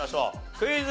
クイズ。